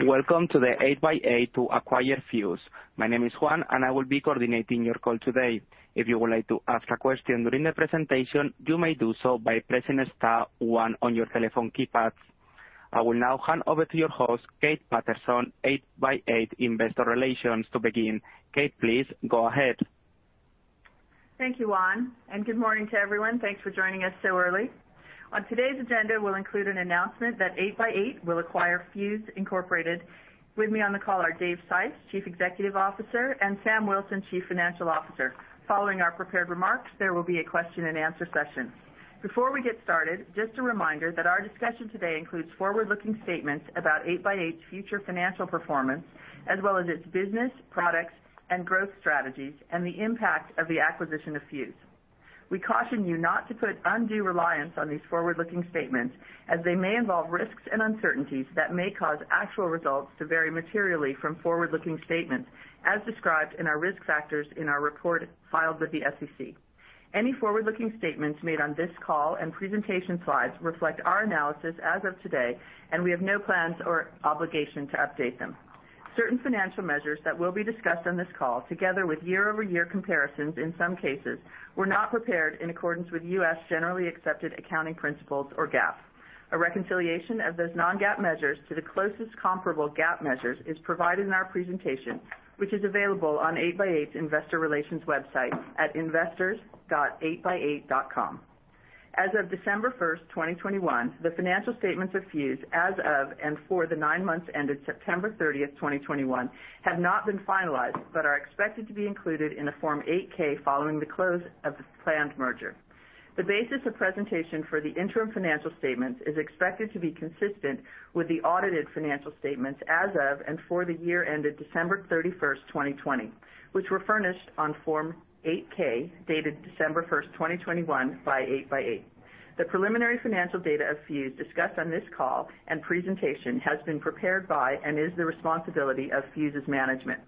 Welcome to the 8x8 to acquire Fuze. My name is Juan, and I will be coordinating your call today. If you would like to ask a question during the presentation, you may do so by pressing star one on your telephone keypads. I will now hand over to your host, Kate Patterson, 8x8 Investor Relations to begin. Kate, please go ahead. Thank you, Juan, and good morning to everyone. Thanks for joining us so early. On today's agenda, we'll include an announcement that 8x8 will acquire Fuze, Inc. With me on the call are Dave Sipes, Chief Executive Officer, and Samuel C. Wilson, Chief Financial Officer. Following our prepared remarks, there will be a question and answer session. Before we get started, just a reminder that our discussion today includes forward-looking statements about 8x8's future financial performance, as well as its business, products and growth strategies and the impact of the acquisition of Fuze. We caution you not to put undue reliance on these forward-looking statements as they may involve risks and uncertainties that may cause actual results to vary materially from forward-looking statements, as described in our risk factors in our report filed with the SEC. Any forward-looking statements made on this call and presentation slides reflect our analysis as of today, and we have no plans or obligation to update them. Certain financial measures that will be discussed on this call, together with year-over-year comparisons in some cases, were not prepared in accordance with U.S. generally accepted accounting principles or GAAP. A reconciliation of those non-GAAP measures to the closest comparable GAAP measures is provided in our presentation, which is available on 8x8's investor relations website at investors.8x8.com. As of December 1, 2021, the financial statements of Fuze as of and for the nine months ended September 30, 2021, have not been finalized, but are expected to be included in the Form 8-K following the close of the planned merger. The basis of presentation for the interim financial statements is expected to be consistent with the audited financial statements as of and for the year ended December 31, 2020, which were furnished on Form 8-K dated December 1, 2021 by 8x8. The preliminary financial data of Fuze discussed on this call and presentation has been prepared by and is the responsibility of Fuze's management.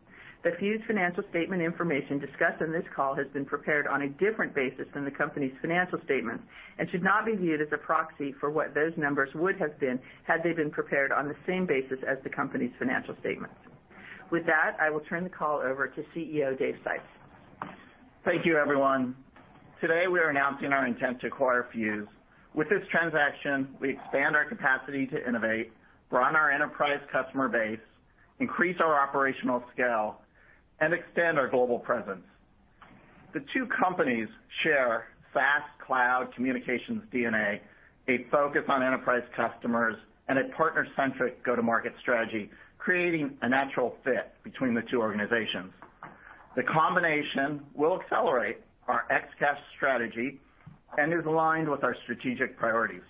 The Fuze financial statement information discussed in this call has been prepared on a different basis than the company's financial statements and should not be viewed as a proxy for what those numbers would have been had they been prepared on the same basis as the company's financial statements. With that, I will turn the call over to CEO Dave Sipes. Thank you, everyone. Today, we are announcing our intent to acquire Fuze. With this transaction, we expand our capacity to innovate, broaden our enterprise customer base, increase our operational scale, and extend our global presence. The two companies share fast cloud communications DNA, a focus on enterprise customers, and a partner-centric go-to-market strategy, creating a natural fit between the two organizations. The combination will accelerate our XCaaS strategy and is aligned with our strategic priorities.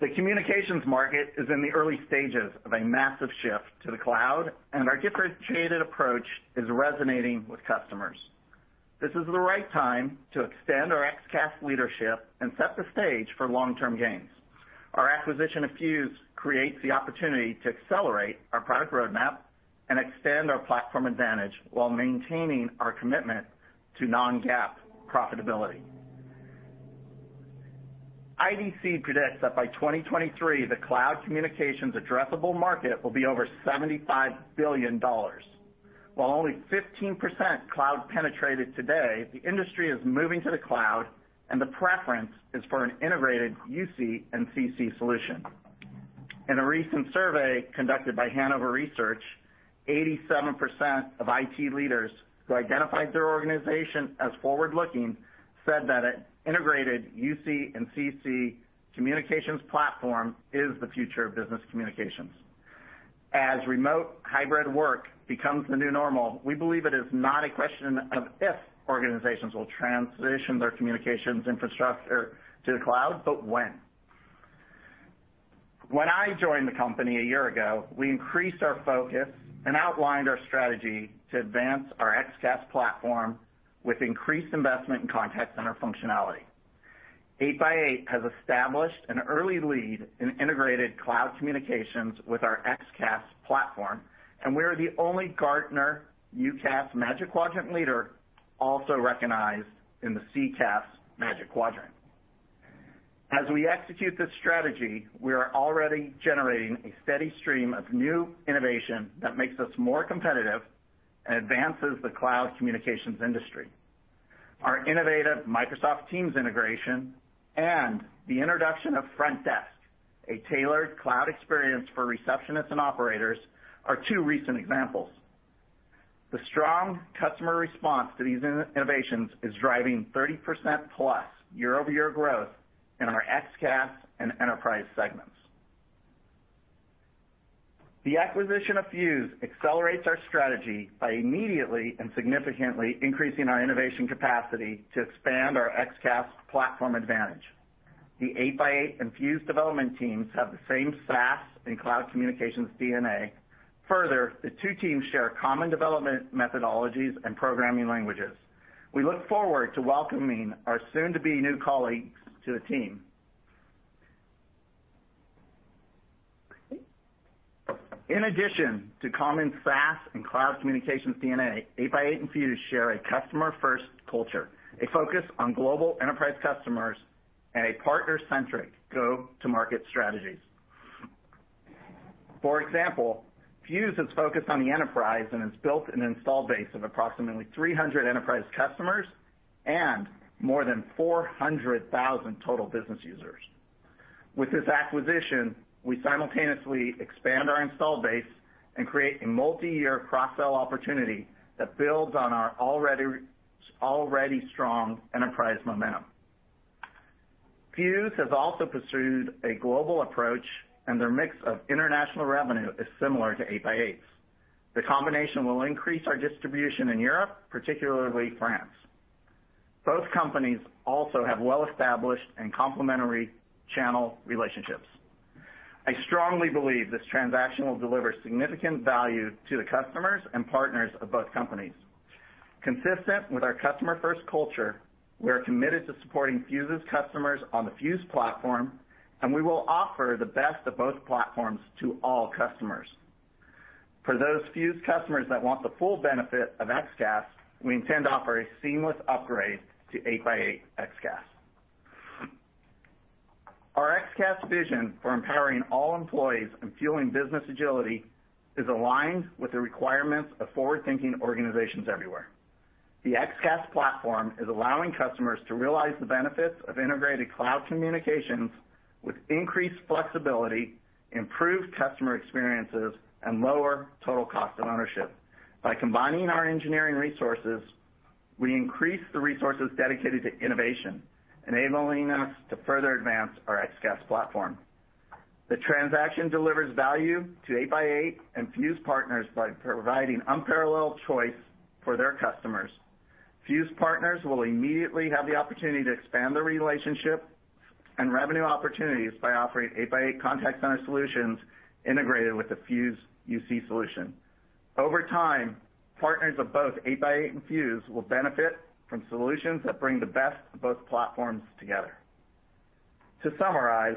The communications market is in the early stages of a massive shift to the cloud, and our differentiated approach is resonating with customers. This is the right time to extend our XCaaS leadership and set the stage for long-term gains. Our acquisition of Fuze creates the opportunity to accelerate our product roadmap and extend our platform advantage while maintaining our commitment to non-GAAP profitability. IDC predicts that by 2023, the cloud communications addressable market will be over $75 billion. While only 15% cloud penetrated today, the industry is moving to the cloud, and the preference is for an integrated UC and CC solution. In a recent survey conducted by Hanover Research, 87% of IT leaders who identified their organization as forward-looking said that an integrated UC and CC communications platform is the future of business communications. As remote hybrid work becomes the new normal, we believe it is not a question of if organizations will transition their communications infrastructure to the cloud, but when. When I joined the company a year ago, we increased our focus and outlined our strategy to advance our XCaaS platform with increased investment in contact center functionality. 8x8 has established an early lead in integrated cloud communications with our XCaaS platform, and we are the only Gartner UCaaS Magic Quadrant leader also recognized in the CCaaS Magic Quadrant. As we execute this strategy, we are already generating a steady stream of new innovation that makes us more competitive and advances the cloud communications industry. Our innovative Microsoft Teams integration and the introduction of Frontdesk, a tailored cloud experience for receptionists and operators, are two recent examples. The strong customer response to these innovations is driving 30%+ year-over-year growth in our XCaaS and enterprise segments. The acquisition of Fuze accelerates our strategy by immediately and significantly increasing our innovation capacity to expand our XCaaS platform advantage. The 8x8 and Fuze development teams have the same SaaS and cloud communications DNA. Further, the two teams share common development methodologies and programming languages. We look forward to welcoming our soon-to-be new colleagues to the team. Kate? In addition to common SaaS and cloud communications DNA, 8x8 and Fuze share a customer-first culture, a focus on global enterprise customers, and a partner-centric go-to-market strategies. For example, Fuze is focused on the enterprise and has built an install base of approximately 300 enterprise customers and more than 400,000 total business users. With this acquisition, we simultaneously expand our install base and create a multi-year cross-sell opportunity that builds on our already strong enterprise momentum. Fuze has also pursued a global approach, and their mix of international revenue is similar to 8x8's. The combination will increase our distribution in Europe, particularly France. Both companies also have well-established and complementary channel relationships. I strongly believe this transaction will deliver significant value to the customers and partners of both companies. Consistent with our customer-first culture, we are committed to supporting Fuze's customers on the Fuze platform, and we will offer the best of both platforms to all customers. For those Fuze customers that want the full benefit of XCaaS, we intend to offer a seamless upgrade to 8x8 XCaaS. Our XCaaS vision for empowering all employees and fueling business agility is aligned with the requirements of forward-thinking organizations everywhere. The XCaaS platform is allowing customers to realize the benefits of integrated cloud communications with increased flexibility, improved customer experiences, and lower total cost of ownership. By combining our engineering resources, we increase the resources dedicated to innovation, enabling us to further advance our XCaaS platform. The transaction delivers value to 8x8 and Fuze partners by providing unparalleled choice for their customers. Fuze partners will immediately have the opportunity to expand their relationship and revenue opportunities by offering 8x8 Contact Center solutions integrated with the Fuze UC solution. Over time, partners of both 8x8 and Fuze will benefit from solutions that bring the best of both platforms together. To summarize,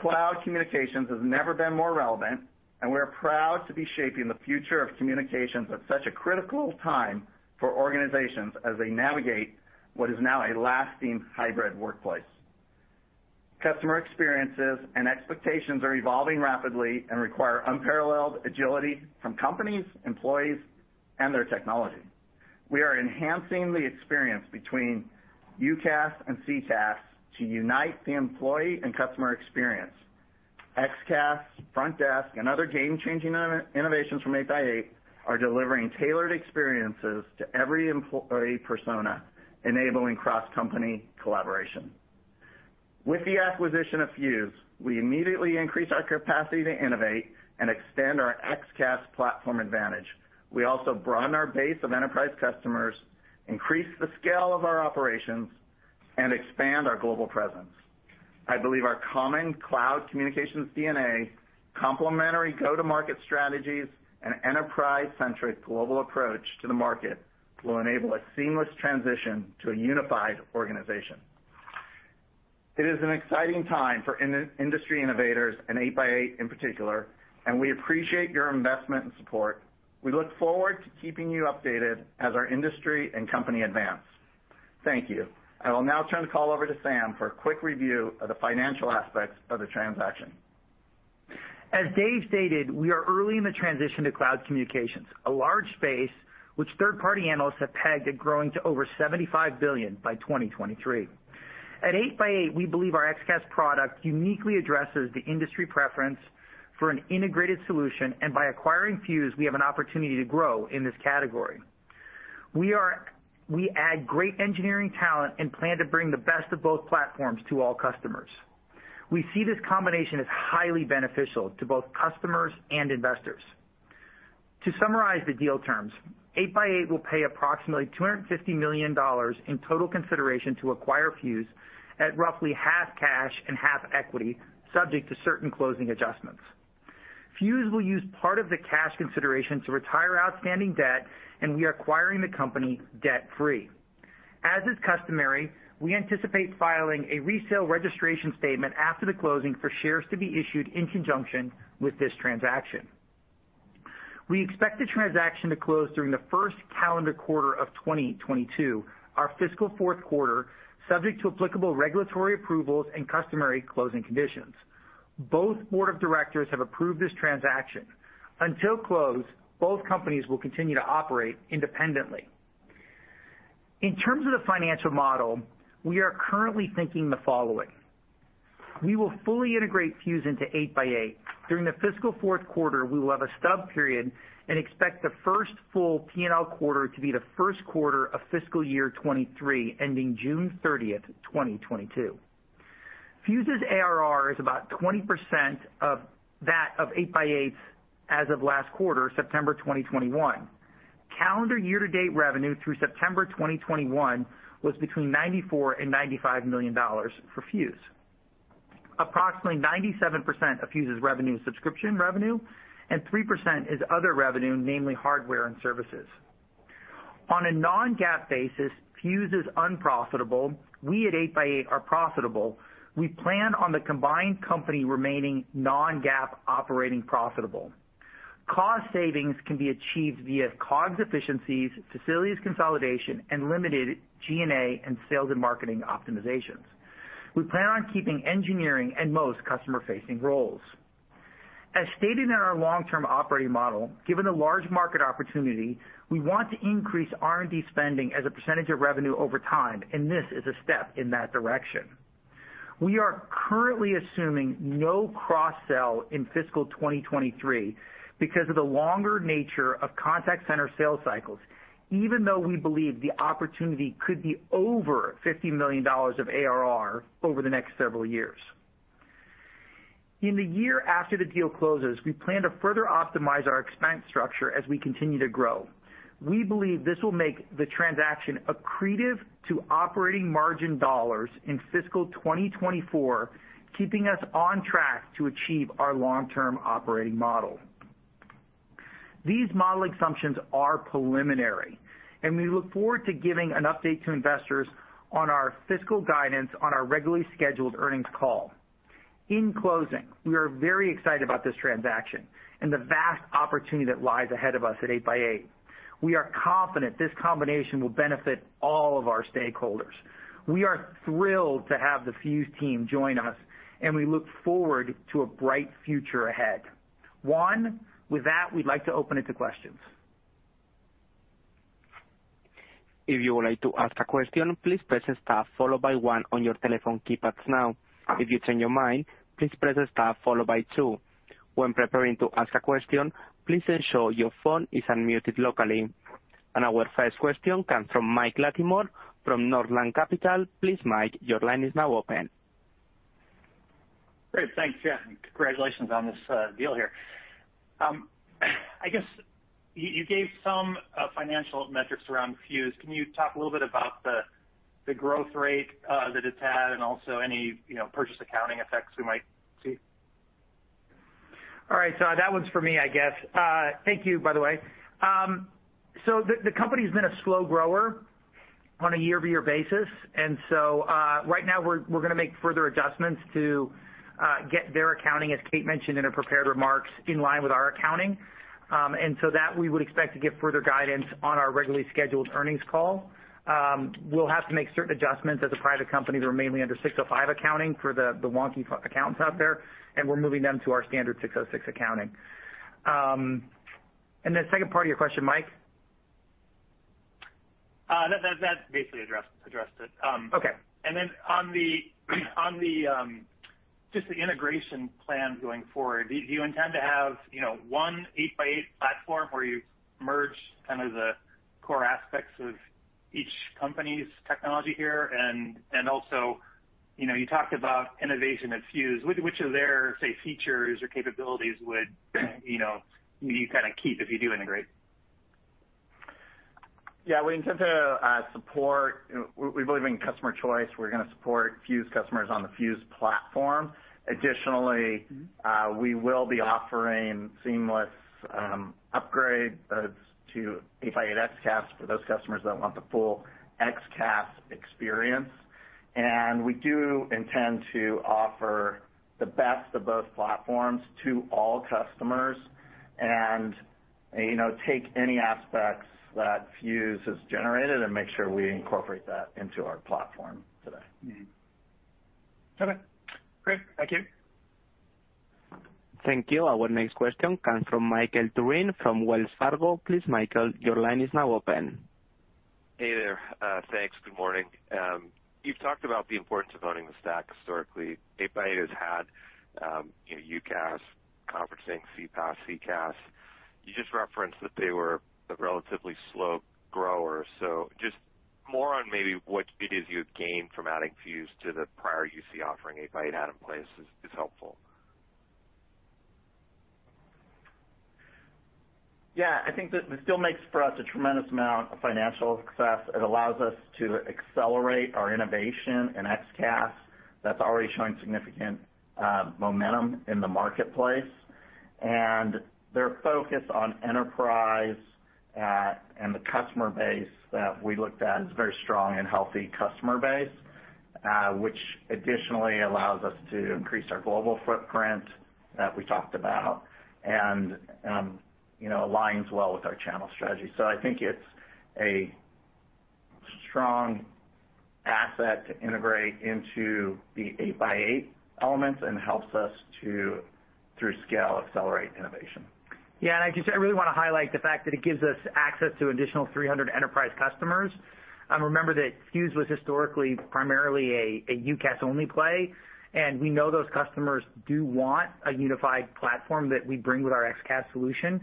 cloud communications has never been more relevant, and we are proud to be shaping the future of communications at such a critical time for organizations as they navigate what is now a lasting hybrid workplace. Customer experiences and expectations are evolving rapidly and require unparalleled agility from companies, employees, and their technology. We are enhancing the experience between UCaaS and CCaaS to unite the employee and customer experience. XCaaS, Frontdesk, and other game-changing innovations from 8x8 are delivering tailored experiences to every employee persona, enabling cross-company collaboration. With the acquisition of Fuze, we immediately increase our capacity to innovate and extend our XCaaS platform advantage. We also broaden our base of enterprise customers, increase the scale of our operations, and expand our global presence. I believe our common cloud communications DNA, complementary go-to-market strategies, and enterprise-centric global approach to the market will enable a seamless transition to a unified organization. It is an exciting time for in the industry innovators and 8x8 in particular, and we appreciate your investment and support. We look forward to keeping you updated as our industry and company advance. Thank you. I will now turn the call over to Sam for a quick review of the financial aspects of the transaction. As Dave stated, we are early in the transition to cloud communications, a large space which third-party analysts have pegged at growing to over $75 billion by 2023. At 8x8, we believe our XCaaS product uniquely addresses the industry preference for an integrated solution, and by acquiring Fuze, we have an opportunity to grow in this category. We add great engineering talent and plan to bring the best of both platforms to all customers. We see this combination as highly beneficial to both customers and investors. To summarize the deal terms, 8x8 will pay approximately $250 million in total consideration to acquire Fuze at roughly half cash and half equity, subject to certain closing adjustments. Fuze will use part of the cash consideration to retire outstanding debt, and we are acquiring the company debt-free. As is customary, we anticipate filing a resale registration statement after the closing for shares to be issued in conjunction with this transaction. We expect the transaction to close during the first calendar quarter of 2022, our fiscal fourth quarter, subject to applicable regulatory approvals and customary closing conditions. Both boards of directors have approved this transaction. Until close, both companies will continue to operate independently. In terms of the financial model, we are currently thinking the following. We will fully integrate Fuze into 8x8. During the fiscal fourth quarter, we will have a stub period and expect the first full P&L quarter to be the first quarter of fiscal year 2023, ending June 30, 2022. Fuze's ARR is about 20% of that of 8x8's as of last quarter, September 2021. Calendar year-to-date revenue through September 2021 was between $94 million and $95 million for Fuze. Approximately 97% of Fuze's revenue is subscription revenue, and 3% is other revenue, namely hardware and services. On a non-GAAP basis, Fuze is unprofitable. We at 8x8 are profitable. We plan on the combined company remaining non-GAAP operating profitable. Cost savings can be achieved via COGS efficiencies, facilities consolidation, and limited G&A and sales and marketing optimizations. We plan on keeping engineering and most customer-facing roles. As stated in our long-term operating model, given the large market opportunity, we want to increase R&D spending as a percentage of revenue over time, and this is a step in that direction. We are currently assuming no cross-sell in fiscal 2023 because of the longer nature of contact center sales cycles, even though we believe the opportunity could be over $50 million of ARR over the next several years. In the year after the deal closes, we plan to further optimize our expense structure as we continue to grow. We believe this will make the transaction accretive to operating margin dollars in fiscal 2024, keeping us on track to achieve our long-term operating model. These model assumptions are preliminary, and we look forward to giving an update to investors on our fiscal guidance on our regularly scheduled earnings call. In closing, we are very excited about this transaction and the vast opportunity that lies ahead of us at 8x8. We are confident this combination will benefit all of our stakeholders. We are thrilled to have the Fuze team join us, and we look forward to a bright future ahead. Juan, with that, we'd like to open it to questions. If you would like to ask a question, please press star followed by one on your telephone keypads now. If you change your mind, please press star followed by two. When preparing to ask a question, please ensure your phone is unmuted locally. Our first question comes from Mike Latimore from Northland Capital Markets. Please, Mike, your line is now open. Great. Thanks. Yeah, congratulations on this deal here. I guess you gave some financial metrics around Fuze. Can you talk a little bit about the growth rate that it's had and also any, you know, purchase accounting effects we might see? All right. That one's for me, I guess. Thank you, by the way. The company's been a slow grower on a year-over-year basis. Right now we're gonna make further adjustments to get their accounting, as Kate mentioned in her prepared remarks, in line with our accounting that we would expect to give further guidance on our regularly scheduled earnings call. We'll have to make certain adjustments as a private company. They were mainly under ASC 605 accounting for the wonky accounts out there, and we're moving them to our standard ASC 606 accounting. The second part of your question, Mike? That basically addressed it. Okay. Then on the just the integration plan going forward, do you intend to have, you know, one 8x8 platform where you merge kind of the core aspects of each company's technology here? Also, you know, you talked about innovation at Fuze. Which of their, say, features or capabilities would, you know, you kinda keep if you do integrate? Yeah. We intend to support. We believe in customer choice. We're gonna support Fuze customers on the Fuze platform. Additionally, we will be offering seamless upgrade to 8x8 XCaaS for those customers that want the full XCaaS experience. We do intend to offer the best of both platforms to all customers and, you know, take any aspects that Fuze has generated and make sure we incorporate that into our platform today. Mm-hmm. Okay. Great. Thank you. Thank you. Our next question comes from Michael Turrin from Wells Fargo. Please, Michael, your line is now open. Hey there. Thanks. Good morning. You've talked about the importance of owning the stack historically. 8x8 has had, you know, UCaaS, conferencing, CPaaS, CCaaS. You just referenced that they were a relatively slow grower. Just more on maybe what it is you've gained from adding Fuze to the prior UC offering 8x8 had in place is helpful. Yeah. I think that this deal makes for us a tremendous amount of financial success. It allows us to accelerate our innovation in XCaaS that's already showing significant momentum in the marketplace. Their focus on enterprise and the customer base that we looked at is a very strong and healthy customer base, which additionally allows us to increase our global footprint that we talked about and, you know, aligns well with our channel strategy. I think it's a strong asset to integrate into the 8x8 elements and helps us to, through scale, accelerate innovation. Yeah. I really wanna highlight the fact that it gives us access to additional 300 enterprise customers. Remember that Fuze was historically primarily a UCaaS-only play, and we know those customers do want a unified platform that we bring with our XCaaS solution.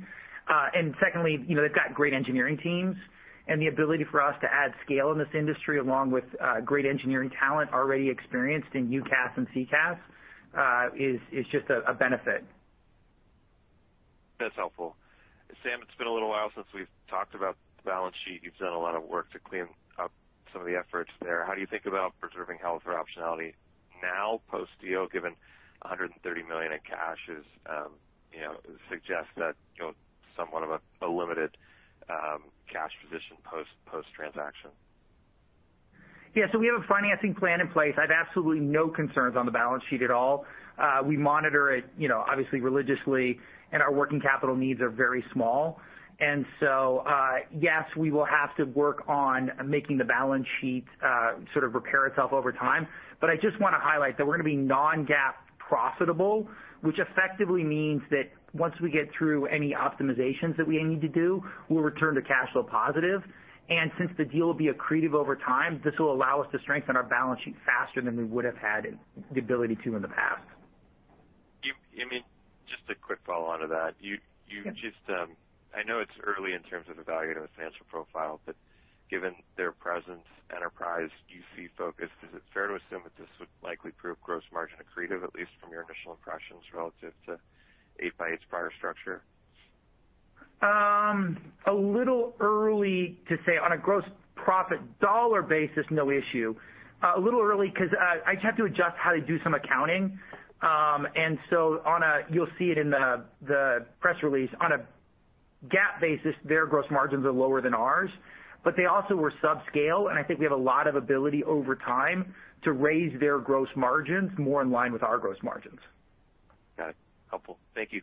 Secondly, you know, they've got great engineering teams, and the ability for us to add scale in this industry, along with great engineering talent already experienced in UCaaS and CCaaS, is just a benefit. That's helpful. Sam, it's been a little while since we've talked about the balance sheet. You've done a lot of work to clean up some of the efforts there. How do you think about preserving health or optionality now post-deal, given $130 million in cash is, you know, suggests that, you know, somewhat of a limited cash position post-transaction? Yeah. We have a financing plan in place. I have absolutely no concerns on the balance sheet at all. We monitor it, you know, obviously religiously, and our working capital needs are very small. Yes, we will have to work on making the balance sheet sort of repair itself over time. I just wanna highlight that we're gonna be non-GAAP profitable, which effectively means that once we get through any optimizations that we need to do, we'll return to cash flow positive. Since the deal will be accretive over time, this will allow us to strengthen our balance sheet faster than we would have had the ability to in the past. I mean, just a quick follow-on to that. You just, I know it's early in terms of evaluating the financial profile, but given their presence, enterprise, UC focus, is it fair to assume that this would likely prove gross margin accretive, at least from your initial impressions relative to 8x8's prior structure? A little early to say. On a gross profit dollar basis, no issue. A little early 'cause I'd have to adjust how to do some accounting. You'll see it in the press release. On a GAAP basis, their gross margins are lower than ours, but they also were subscale, and I think we have a lot of ability over time to raise their gross margins more in line with our gross margins. Got it. Helpful. Thank you.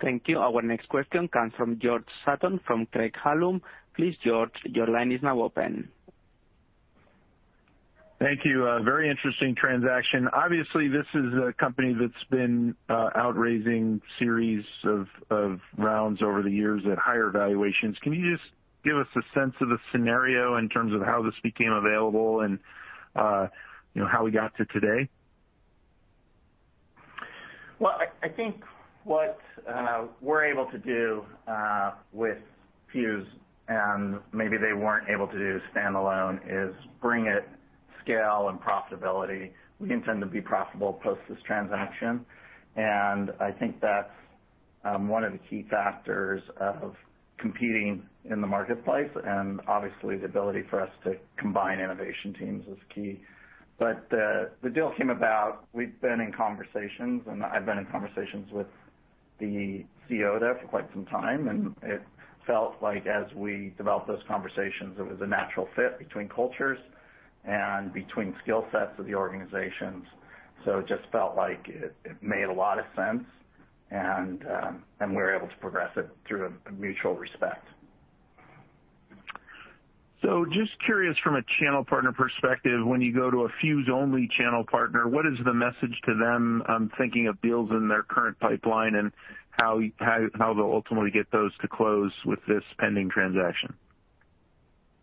Thank you. Our next question comes from George Sutton from Craig-Hallum. Please, George, your line is now open. Thank you. A very interesting transaction. Obviously, this is a company that's been outraising series of rounds over the years at higher valuations. Can you just give us a sense of the scenario in terms of how this became available and, you know, how we got to today? Well, I think what we're able to do with Fuze and maybe they weren't able to do standalone is bring its scale and profitability. We intend to be profitable post this transaction, and I think that's one of the key factors of competing in the marketplace, and obviously the ability for us to combine innovation teams is key. The deal came about. We've been in conversations, and I've been in conversations with the CEO there for quite some time, and it felt like as we developed those conversations, it was a natural fit between cultures and between skill sets of the organizations. It just felt like it made a lot of sense and we were able to progress it through a mutual respect. Just curious from a channel partner perspective, when you go to a Fuze-only channel partner, what is the message to them? I'm thinking of deals in their current pipeline and how they'll ultimately get those to close with this pending transaction.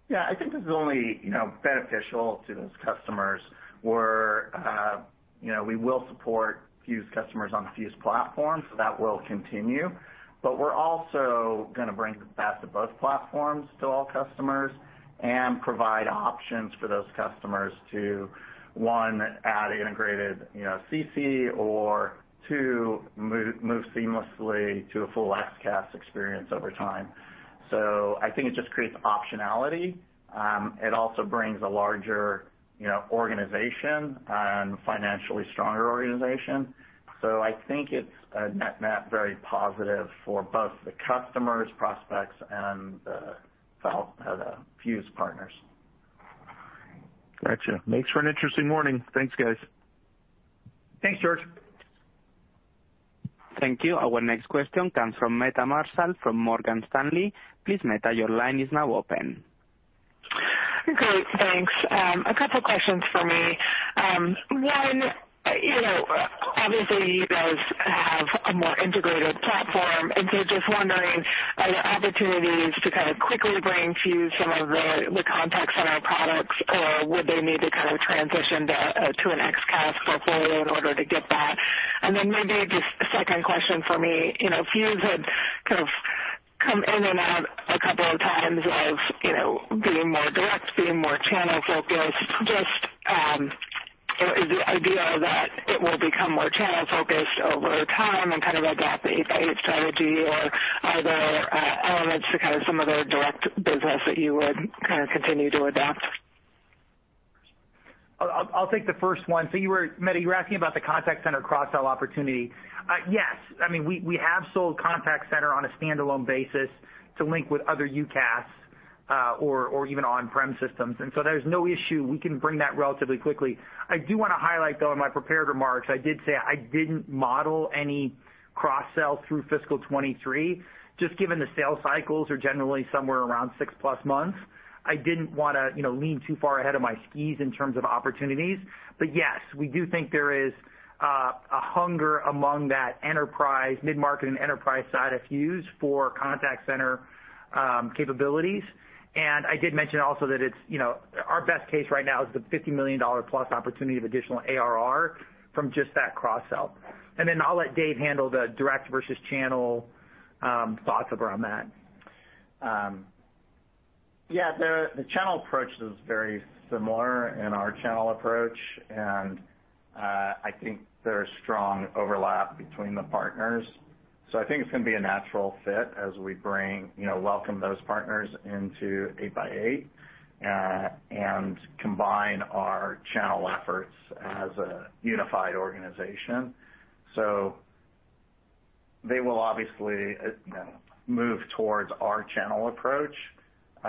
Yeah. I think this is only, you know, beneficial to those customers where, we will support Fuze customers on the Fuze platform, so that will continue. We're also gonna bring the best of both platforms to all customers and provide options for those customers to, one, add integrated, you know, CC or two, move seamlessly to a full XCaaS experience over time. I think it just creates optionality. It also brings a larger, you know, organization and financially stronger organization. I think it's a net-net very positive for both the customers, prospects and, the Fuze partners. Gotcha. Makes for an interesting morning. Thanks, guys. Thanks, George. Thank you. Our next question comes from Meta Marshall from Morgan Stanley. Please, Meta, your line is now open. Great. Thanks. A couple questions for me. One, you know, obviously, you guys have a more integrated platform, and so just wondering, are there opportunities to kind of quickly bring to some of the contact center products, or would they need to kind of transition to an XCaaS portfolio in order to get that? And then maybe just a second question for me. You know, Fuze had kind of come in and out a couple of times of, you know, being more direct, being more channel-focused. Just, is the idea that it will become more channel-focused over time and kind of adopt the 8x8 strategy, or are there elements to kind of some of their direct business that you would kind of continue to adopt? I'll take the first one. You were asking about the contact center cross-sell opportunity, Meta. Yes. I mean, we have sold contact center on a standalone basis to link with other UCaaS, or even on-prem systems. There's no issue. We can bring that relatively quickly. I do wanna highlight, though, in my prepared remarks, I did say I didn't model any cross-sell through fiscal 2023, just given the sales cycles are generally somewhere around 6+ months. I didn't wanna, you know, lean too far ahead of my skis in terms of opportunities. Yes, we do think there is a hunger among that enterprise, mid-market and enterprise side of Fuze for contact center capabilities. I did mention also that it's, you know, our best case right now is the $50 million plus opportunity of additional ARR from just that cross-sell. Then I'll let Dave handle the direct versus channel thoughts around that. The channel approach is very similar in our channel approach, and I think there's strong overlap between the partners. I think it's gonna be a natural fit as we bring, you know, welcome those partners into 8x8, and combine our channel efforts as a unified organization. They will obviously, you know, move towards our channel approach,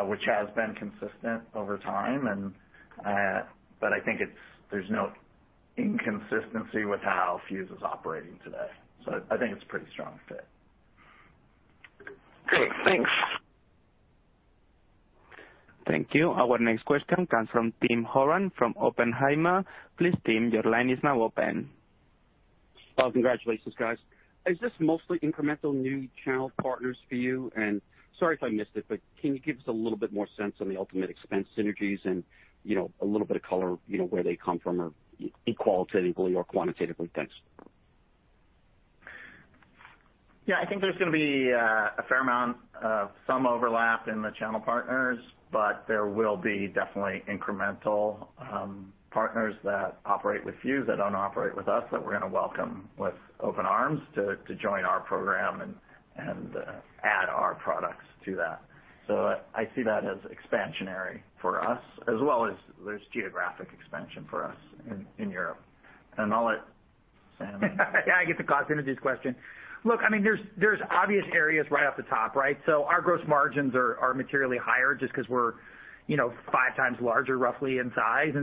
which has been consistent over time. But I think there's no inconsistency with how Fuze is operating today. I think it's a pretty strong fit. Great. Thanks. Thank you. Our next question comes from Tim Horan from Oppenheimer. Please, Tim, your line is now open. Well, congratulations, guys. Is this mostly incremental new channel partners for you? Sorry if I missed it, but can you give us a little bit more sense on the ultimate expense synergies and, you know, a little bit of color, you know, where they come from or qualitatively or quantitatively? Thanks. Yeah. I think there's gonna be a fair amount of some overlap in the channel partners, but there will be definitely incremental partners that operate with Fuze that don't operate with us, that we're gonna welcome with open arms to join our program and add our products to that. I see that as expansionary for us as well as there's geographic expansion for us in Europe. I'll let Sam- Yeah, I get the cost synergies question. Look, I mean, there's obvious areas right off the top, right? Our gross margins are materially higher just 'cause we're, you know, 5x larger roughly in size.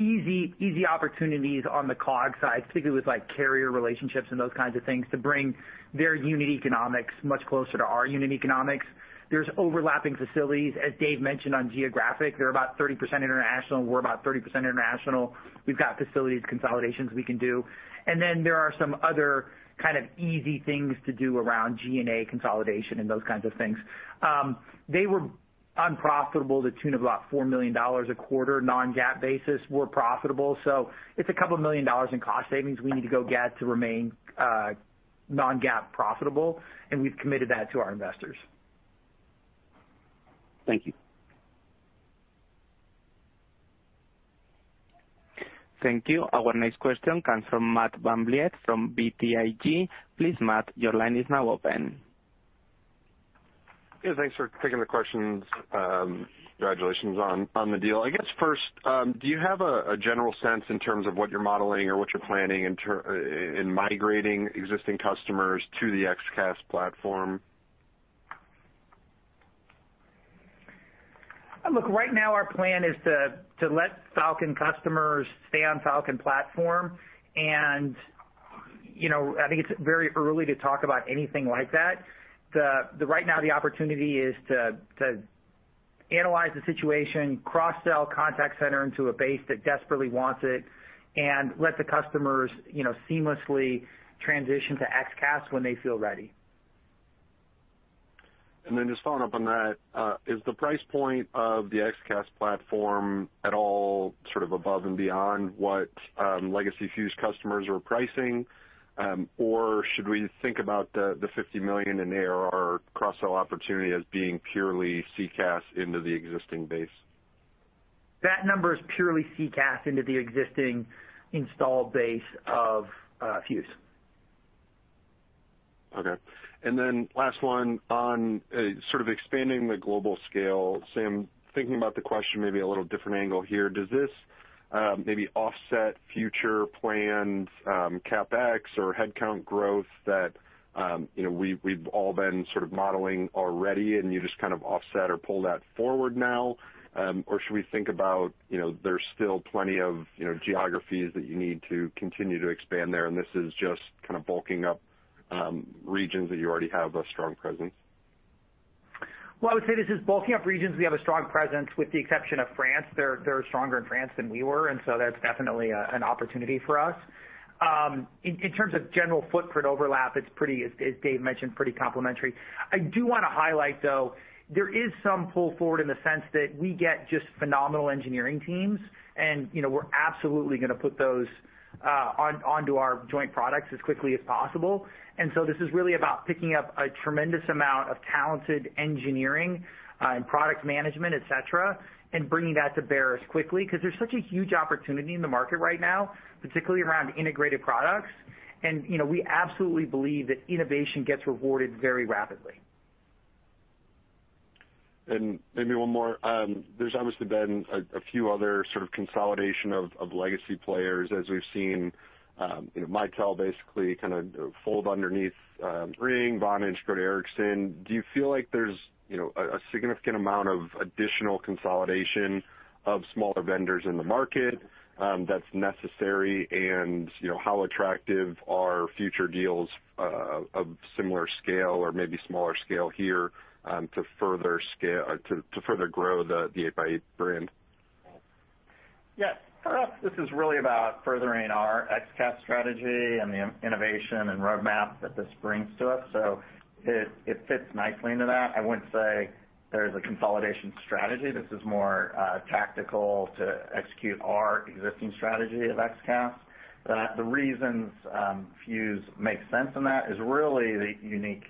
Easy opportunities on the COGS side, particularly with, like, carrier relationships and those kinds of things to bring their unit economics much closer to our unit economics. There's overlapping facilities, as Dave mentioned, on geographic. They're about 30% international, and we're about 30% international. We've got facilities consolidations we can do. There are some other kind of easy things to do around G&A consolidation and those kinds of things. They were unprofitable to the tune of about $4 million a quarter. non-GAAP basis, we're profitable. It's $2 million in cost savings we need to go get to remain non-GAAP profitable, and we've committed that to our investors. Thank you. Thank you. Our next question comes from Matt VanVliet from BTIG. Please, Matt, your line is now open. Yeah, thanks for taking the questions. Congratulations on the deal. I guess, first, do you have a general sense in terms of what you're modeling or what you're planning in migrating existing customers to the XCaaS platform? Look, right now our plan is to let Fuze customers stay on Fuze platform. You know, I think it's very early to talk about anything like that. Right now the opportunity is to analyze the situation, cross-sell contact center into a base that desperately wants it and let the customers, you know, seamlessly transition to XCaaS when they feel ready. Just following up on that, is the price point of the XCaaS platform at all sort of above and beyond what legacy Fuze customers are pricing? Or should we think about the $50 million in ARR cross-sell opportunity as being purely CCaaS into the existing base? That number is purely CCaaS into the existing installed base of, Fuze. Okay. Last one on sort of expanding the global scale. Sam, thinking about the question maybe a little different angle here, does this maybe offset future planned CapEx or headcount growth that you know we've all been sort of modeling already, and you just kind of offset or pull that forward now? Or should we think about you know there's still plenty of you know geographies that you need to continue to expand there, and this is just kinda bulking up regions that you already have a strong presence? Well, I would say this is bulking up regions we have a strong presence with the exception of France. They're stronger in France than we were, and so that's definitely an opportunity for us. In terms of general footprint overlap, it's pretty, as Dave mentioned, pretty complementary. I do wanna highlight, though, there is some pull forward in the sense that we get just phenomenal engineering teams. You know, we're absolutely gonna put those onto our joint products as quickly as possible. This is really about picking up a tremendous amount of talented engineering and product management, et cetera, and bringing that to bear as quickly, 'cause there's such a huge opportunity in the market right now, particularly around integrated products. You know, we absolutely believe that innovation gets rewarded very rapidly. Maybe one more. There's obviously been a few other sort of consolidation of legacy players as we've seen, you know, Mitel basically kinda fold underneath RingCentral, Vonage, but Ericsson. Do you feel like there's you know a significant amount of additional consolidation of smaller vendors in the market that's necessary? You know, how attractive are future deals of similar scale or maybe smaller scale here to further grow the 8x8 brand? Yeah. For us, this is really about furthering our XCaaS strategy and the innovation and roadmap that this brings to us, so it fits nicely into that. I wouldn't say there's a consolidation strategy. This is more tactical to execute our existing strategy of XCaaS. The reasons Fuze makes sense in that is really the unique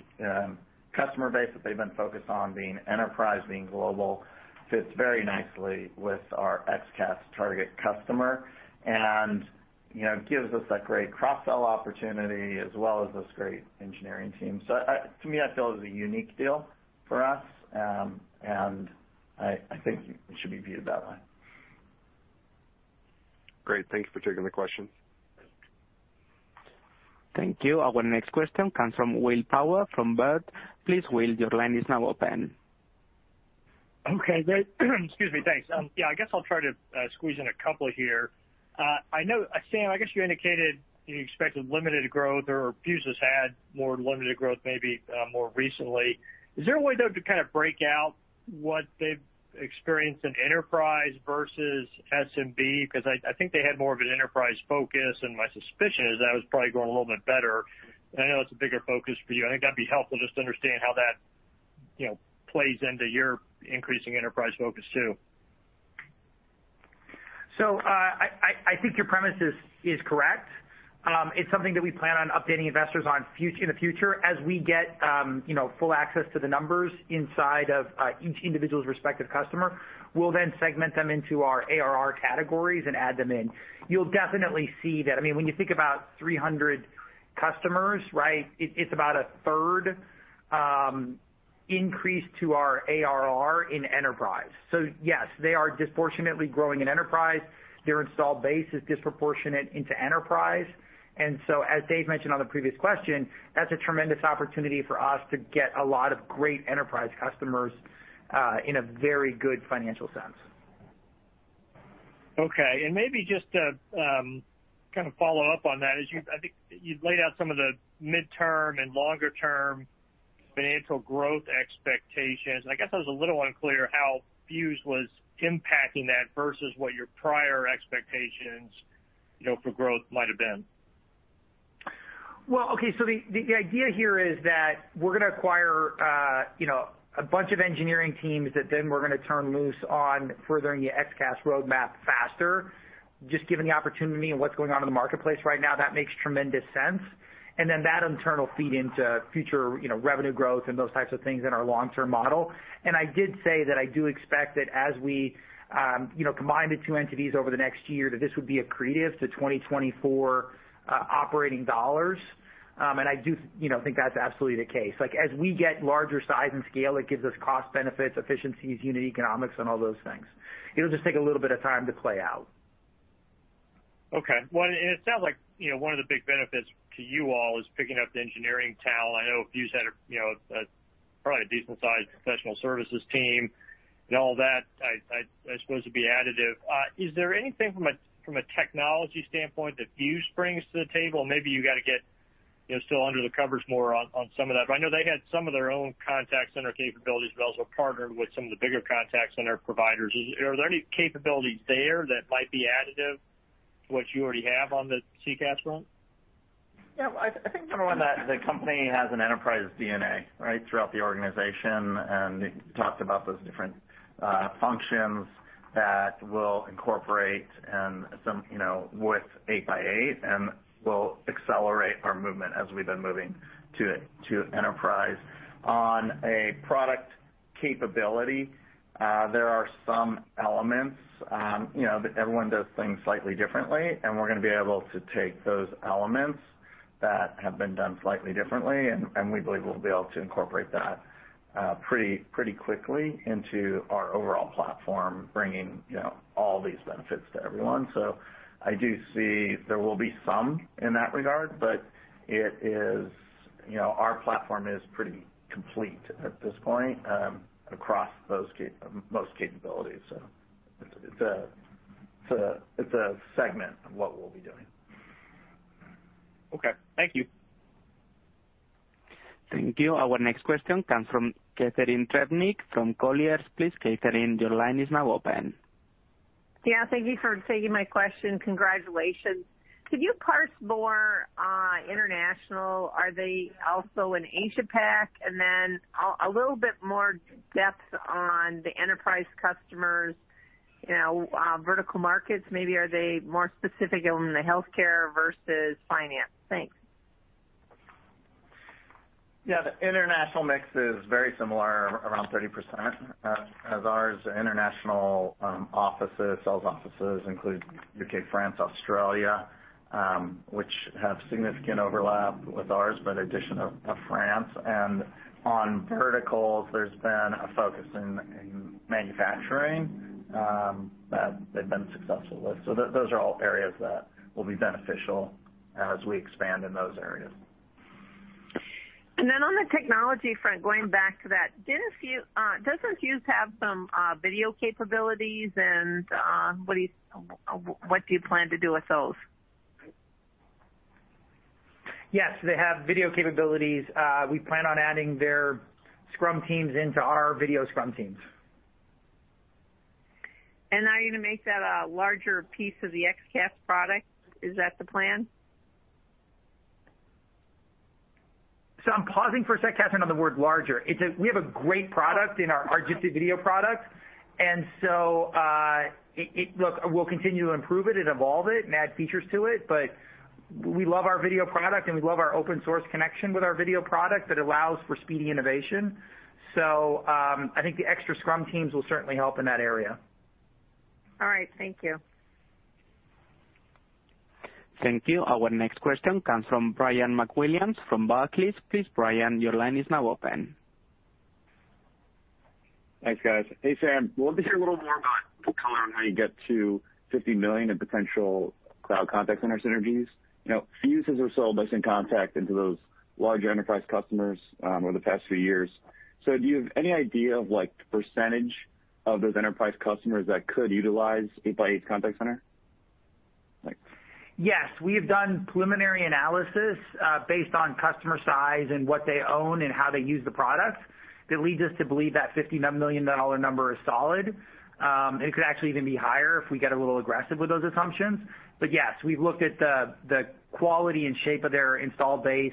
customer base that they've been focused on, being enterprise, being global, fits very nicely with our XCaaS target customer and, you know, gives us a great cross-sell opportunity as well as this great engineering team. So, to me, I feel it is a unique deal for us. I think it should be viewed that way. Great. Thank you for taking the question. Thank you. Our next question comes from Will Power from Baird. Please, Will, your line is now open. Okay. Excuse me. Thanks. Yeah, I guess I'll try to squeeze in a couple here. I know, Sam, I guess you indicated you expected limited growth or Fuze has had more limited growth maybe, more recently. Is there a way, though, to kind of break out what they've experienced in enterprise versus SMB? Because I think they had more of an enterprise focus, and my suspicion is that was probably growing a little bit better. I know it's a bigger focus for you. I think that'd be helpful just to understand how that, you know, plays into your increasing enterprise focus, too. I think your premise is correct. It's something that we plan on updating investors on in the future as we get full access to the numbers inside of each individual's respective customer. We'll then segment them into our ARR categories and add them in. You'll definitely see that. I mean, when you think about 300 customers, right, it's about a third increase to our ARR in enterprise. Yes, they are disproportionately growing in enterprise. Their install base is disproportionate into enterprise. As Dave mentioned on the previous question, that's a tremendous opportunity for us to get a lot of great enterprise customers in a very good financial sense. Okay. Maybe just to, kind of follow up on that, I think you'd laid out some of the midterm and longer term financial growth expectations. I guess I was a little unclear how Fuze was impacting that versus what your prior expectations, you know, for growth might have been. The idea here is that we're gonna acquire you know a bunch of engineering teams that then we're gonna turn loose on furthering the XCaaS roadmap faster. Just given the opportunity and what's going on in the marketplace right now, that makes tremendous sense. That in turn will feed into future you know revenue growth and those types of things in our long-term model. I did say that I do expect that as we you know combine the two entities over the next year, that this would be accretive to 2024 operating dollars. I do you know think that's absolutely the case. Like as we get larger size and scale, it gives us cost benefits, efficiencies, unit economics, and all those things. It'll just take a little bit of time to play out. Okay. Well, it sounds like, you know, one of the big benefits to you all is picking up the engineering talent. I know Fuze had, you know, probably a decent sized professional services team and all that. I suppose it'd be additive. Is there anything from a technology standpoint that Fuze brings to the table? Maybe you gotta get, you know, still under the covers more on some of that. I know they had some of their own contact center capabilities, but also partnered with some of the bigger contact center providers. Are there any capabilities there that might be additive to what you already have on the CCaaS front? Yeah. I think, number one, the company has an enterprise DNA, right, throughout the organization, and we talked about those different functions that we'll incorporate and some, you know, with 8x8 and will accelerate our movement as we've been moving to enterprise. On a product capability, there are some elements, you know, but everyone does things slightly differently, and we're gonna be able to take those elements that have been done slightly differently, and we believe we'll be able to incorporate that pretty quickly into our overall platform, bringing, you know, all these benefits to everyone. I do see there will be some in that regard, but it is. You know, our platform is pretty complete at this point across those most capabilities. It's a segment of what we'll be doing. Okay. Thank you. Thank you. Our next question comes from Catharine Trebnick from Colliers. Please, Catharine, your line is now open. Yeah, thank you for taking my question. Congratulations. Could you parse more on international? Are they also in Asia Pac? Then a little bit more depth on the enterprise customers, you know, vertical markets, maybe are they more specific in the healthcare versus finance? Thanks. Yeah. The international mix is very similar, around 30%, as ours. International offices, sales offices include U.K., France, Australia, which have significant overlap with ours by the addition of France. On verticals, there's been a focus in manufacturing that they've been successful with. Those are all areas that will be beneficial as we expand in those areas. Then on the technology front, going back to that, doesn't Fuze have some video capabilities and what do you plan to do with those? Yes, they have video capabilities. We plan on adding their scrum teams into our video scrum teams. Are you gonna make that a larger piece of the XCaaS product? Is that the plan? I'm pausing for a sec, Catharine, on the word larger. We have a great product in our Jitsi Video product, and we'll continue to improve it and evolve it and add features to it, but we love our video product, and we love our open-source connection with our video product that allows for speedy innovation. I think the extra scrum teams will certainly help in that area. All right. Thank you. Thank you. Our next question comes from Ryan MacWilliams from Barclays. Please, Ryan, your line is now open. Thanks, guys. Hey, Sam, love to hear a little more about the color on how you get to $50 million in potential cloud contact center synergies. You know, Fuze has been sold as an add-on into those larger enterprise customers over the past few years. Do you have any idea of like the percentage of those enterprise customers that could utilize 8x8 Contact Center? Thanks. Yes. We have done preliminary analysis based on customer size and what they own and how they use the product that leads us to believe that $50 million number is solid. It could actually even be higher if we get a little aggressive with those assumptions. Yes, we've looked at the quality and shape of their install base,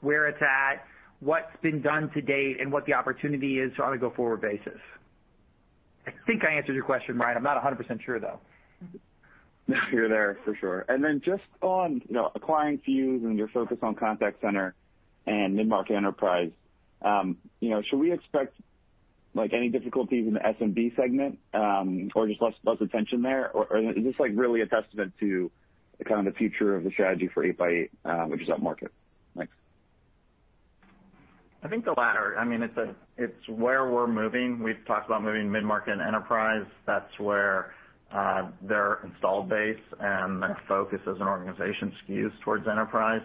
where it's at, what's been done to date, and what the opportunity is on a go-forward basis. I think I answered your question right. I'm not 100% sure, though. You're there for sure. Then just on, you know, acquiring Fuze and your focus on contact center and mid-market enterprise, you know, should we expect like any difficulty in the SMB segment, or just less attention there? Or is this like really a testament to the kind of the future of the strategy for 8x8, which is up market? Thanks. I think the latter. I mean, it's where we're moving. We've talked about moving mid-market and enterprise. That's where their install base and their focus as an organization skews towards enterprise.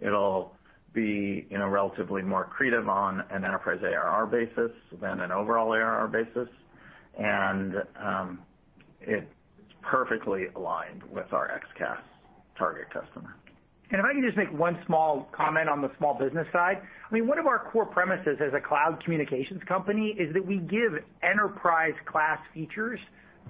It'll be, you know, relatively more accretive on an enterprise ARR basis than an overall ARR basis. It's perfectly aligned with our XCaaS target customer. If I can just make one small comment on the small business side. I mean, one of our core premises as a cloud communications company is that we give enterprise class features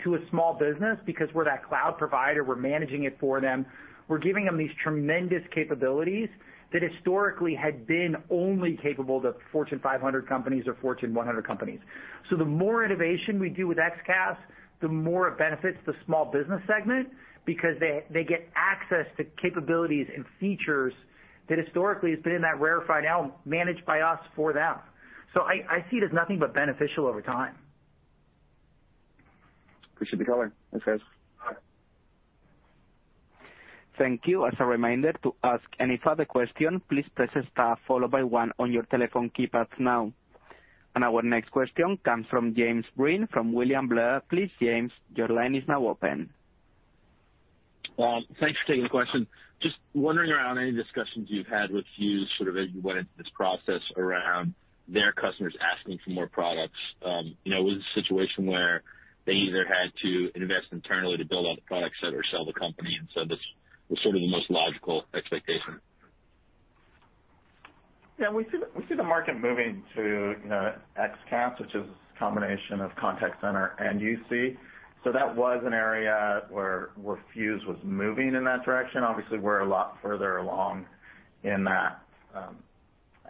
to a small business because we're that cloud provider, we're managing it for them. We're giving them these tremendous capabilities that historically had been only capable to Fortune 500 companies or Fortune 100 companies. The more innovation we do with XCaaS, the more it benefits the small business segment because they get access to capabilities and features that historically has been in that rarefied now managed by us for them. I see it as nothing but beneficial over time. Appreciate the color. Thanks, guys. All right. Thank you. As a reminder, to ask any further question, please press star followed by one on your telephone keypad now. Our next question comes from James Breen from William Blair. Please, James, your line is now open. Thanks for taking the question. Just wondering about any discussions you've had with Fuze sort of as you went into this process around their customers asking for more products. You know, was it a situation where they either had to invest internally to build out the product set or sell the company, and so this was sort of the most logical expectation? Yeah, we see the market moving to, you know, XCaaS, which is a combination of contact center and UC. That was an area where Fuze was moving in that direction. Obviously, we're a lot further along in that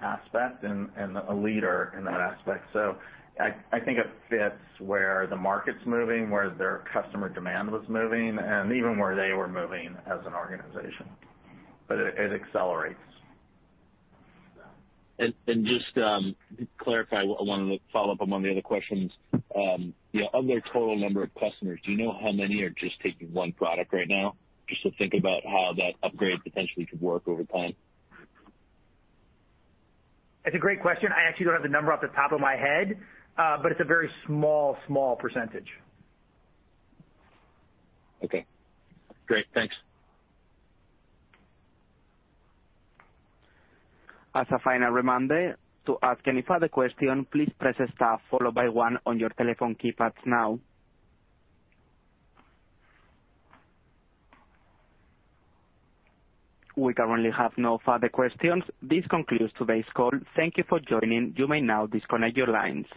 aspect and a leader in that aspect. I think it fits where the market's moving, where their customer demand was moving and even where they were moving as an organization. It accelerates. Just to clarify, I wanted to follow up among the other questions. You know, of their total number of customers, do you know how many are just taking one product right now? Just to think about how that upgrade potentially could work over time. That's a great question. I actually don't have the number off the top of my head, but it's a very small percentage. Okay, great. Thanks. As a final reminder, to ask any further question, please press star followed by 1 on your telephone keypads now. We currently have no further questions. This concludes today's call. Thank you for joining. You may now disconnect your lines.